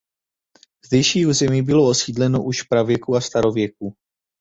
Zdejší území bylo osídleno už v pravěku a starověku.